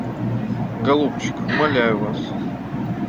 Голубчик, умоляю вас.